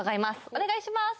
お願いいたします